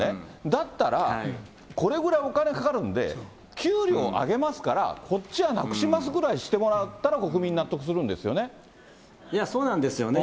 だったら、これぐらいお金かかるんで、給料上げますから、こっちはなくしますぐらいしてもらったら、国民、納得するんですいや、そうなんですよね。